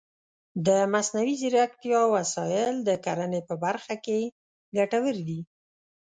د مصنوعي ځیرکتیا وسایل د کرنې په برخه کې ګټور دي.